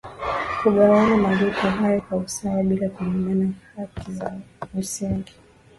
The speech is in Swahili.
kugawana malipo hayo kwa usawa bila kunyimana haki za msingi